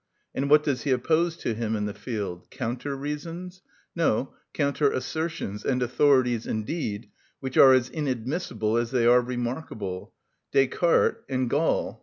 And what does he oppose to him in the field? Counter reasons? No, counter assertions(37) and authorities, indeed, which are as inadmissible as they are remarkable—Descartes and Gall!